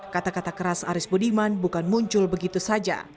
kata kata keras aris budiman bukan muncul begitu saja